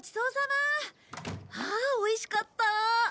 はあおいしかった！